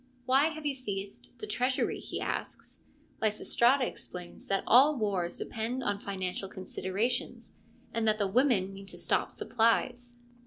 ' Why have you seized the treasury ?' he asks. Lysistrata explains that all wars depend on financial considerations, and that the women mean to stop supplies.